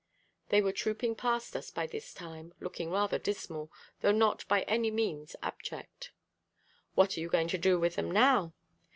They were trooping past us by this time, looking rather dismal, though not by any means abject. "What are you going to do with them now?"